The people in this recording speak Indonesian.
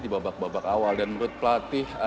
di babak babak awal dan menurut pelatih